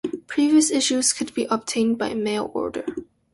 Previous issues could be obtained by mail order.